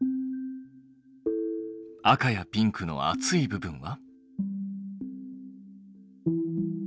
赤やピンクの熱い部分は？